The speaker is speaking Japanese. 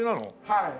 はい。